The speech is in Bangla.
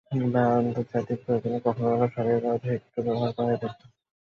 তবে আন্তর্জাতিক প্রয়োজনে কখনো কখনো সরকারী কাগজে হেক্টর ব্যবহার করা হয়ে থাকে।